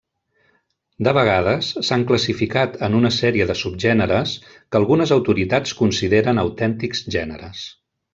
De vegades s'han classificat en una sèrie de subgèneres que algunes autoritats consideren autèntics gèneres.